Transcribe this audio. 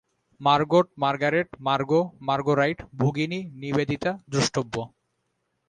Margot, Margaret, Margo, Marguerite ভগিনী নিবেদিতা দ্রষ্টব্য।